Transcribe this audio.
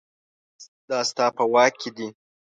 دا ستا په واک کې دي